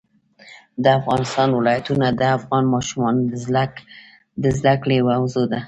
د افغانستان ولايتونه د افغان ماشومانو د زده کړې موضوع ده.